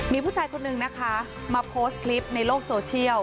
มีผู้ชายคนนึงนะคะมาโพสต์คลิปในโลกโซเชียล